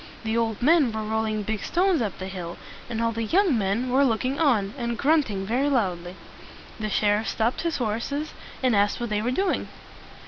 The old men were rolling big stones up the hill, and all the young men were looking on, and grunting very loudly. The sheriff stopped his horses, and asked what they were doing.